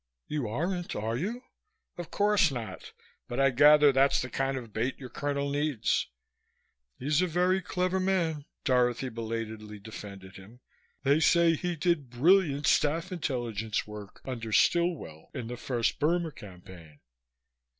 "You aren't, are you?" "Of course not, but I gather that's the kind of bait your Colonel needs." "He's a very clever man," Dorothy belatedly defended him. "They say he did brilliant staff intelligence work under Stillwell in the first Burma campaign."